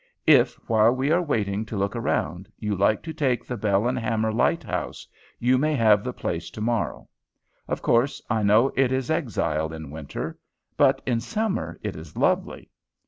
If, while we are waiting to look round, you like to take the Bell and Hammer Light house, you may have the place to morrow. Of course I know it is exile in winter. But in summer it is lovely.